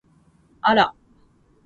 あら！